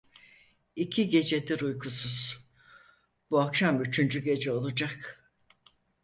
İki gecedir uykusuz, bu akşam üçüncü gece olacak…